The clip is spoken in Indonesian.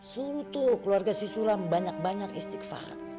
suruh tuh keluarga si sulam banyak banyak istighfar